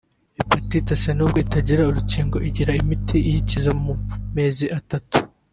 Hepatite C nubwo itagira urukingo igira imiti iyikiza mu mezi atatu